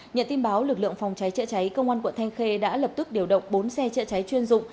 nhận tin báo lực lượng phòng cháy chữa cháy công an quận thanh khê đã lập tức điều động bốn xe chữa cháy chuyên dụng